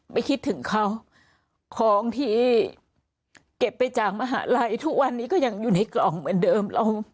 ไม่คิดถึงเขาของที่เก็บไปจากมหาลัยทุกวันนี้ก็ยังอยู่ในกล่องเหมือนเดิม